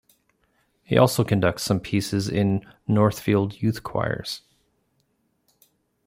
He also conducts some pieces in "Northfield Youth Choirs".